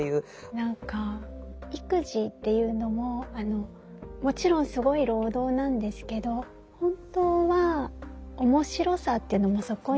何か育児っていうのももちろんすごい労働なんですけど本当は面白さというのもそこにはあって。